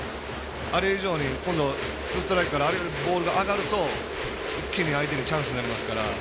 あれ以上に今度ツーストライクからあれよりボールが上がると一気に相手にチャンスになりますから。